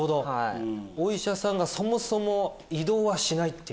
お医者さんがそもそも移動はしないっていう。